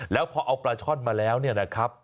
แล้วพอเอาปลาช่อนมาแล้วเนี่ยนะครับ